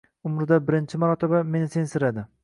Umrida birinchi marotaba meni sensiradi.